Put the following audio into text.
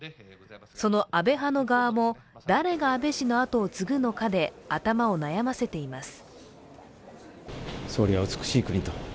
その安倍派の側も誰が安倍氏の跡を継ぐのかで頭を悩ませています。